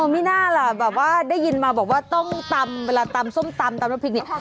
ไม่น่าล่ะแบบว่าได้ยินมาบอกว่าต้องตำเวลาตำส้มตำตำน้ำพริกเนี่ย